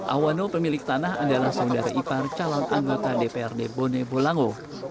awano pemilik tanah adalah saudara ipar calon anggota dprd bone bolango